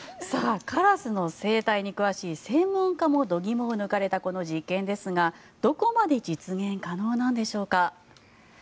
カラスの生態に詳しい専門家も度肝を抜かれたこの実験ですがどこまで実現可能なんでしょうか。